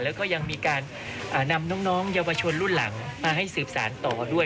แล้วก็ยังมีการนำน้องเยาวชนรุ่นหลังมาให้สืบสารต่อด้วย